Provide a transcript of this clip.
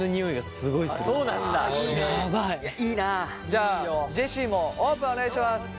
じゃあジェシーもオープンお願いします。